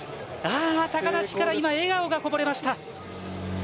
高梨から笑顔がこぼれました。